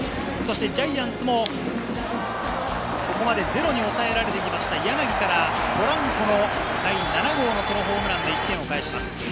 ジャイアンツもここまでゼロに抑えられてきまして柳からポランコの第７号のソロホームランで１点を返します。